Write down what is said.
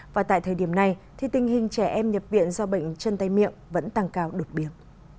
và tại thời điểm này thì tình hình trẻ em nhập viện do bệnh chân tay miệng vẫn tăng cao đột biến